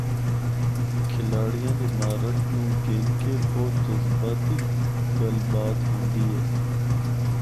کھلاڑیاں دی مہارت نوں گھن کے بہت جذباتی گل بات ہوندی اے۔